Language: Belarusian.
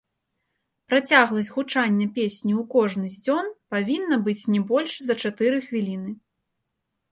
Працягласць гучання песні ў кожны з дзён павінна быць не больш за чатыры хвіліны.